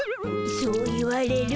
そう言われると。